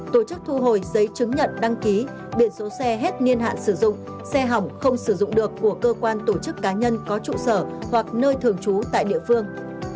tổ chức thu hồi giấy chứng nhận đăng ký biển số xe hết niên hạn sử dụng xe hỏng không sử dụng được của cơ quan tổ chức cá nhân có trụ sở hoặc nơi thường trú tại địa phương